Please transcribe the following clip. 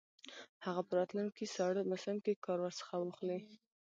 هغه په راتلونکي ساړه موسم کې کار ورڅخه واخلي.